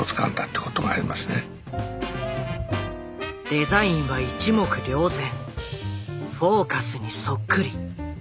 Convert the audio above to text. デザインは一目瞭然「フォーカス」にそっくり。